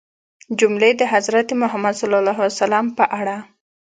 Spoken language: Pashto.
جملې د حضرت محمد ﷺ په اړه